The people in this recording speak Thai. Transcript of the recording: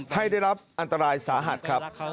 ให้ได้รับอันตรายสาหัสครับ